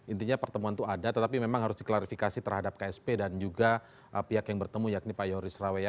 intinya pertemuan itu ada tetapi memang harus diklarifikasi terhadap ksp dan juga pihak yang bertemu yakni pak yoris rawea